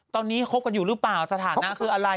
ตอนนี้คบกันอยู่หรือเปล่าสถานะคืออะไร